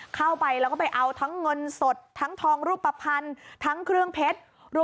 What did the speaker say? เข้าไปแล้วก็ไปเอาทั้งเงินสดทั้งทองรูปภัณฑ์ทั้งเครื่องเพชร